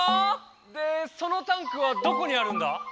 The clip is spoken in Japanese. でそのタンクはどこにあるんだ？